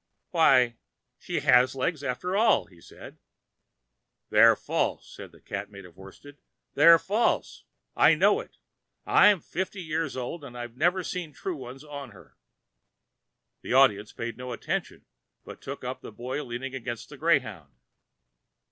"Why, she has legs after all," said he. "They're false," said the Cat made of worsted. "They're false. I know it. I'm fifty years old. I never saw true ones on her." The Audience paid no attention, but took up the Boy leaning against a greyhound.